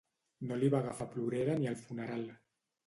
No li va agafar plorera ni al funeral.